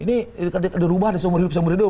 ini dirubah di seumur hidup seumur hidup